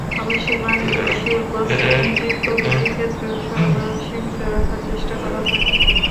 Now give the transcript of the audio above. আবাসিক, বাণিজ্যিক, শিল্প, সিএনজি প্রভৃতি ক্ষেত্রেও সরবরাহ সীমিত রাখার চেষ্টা করা হয়।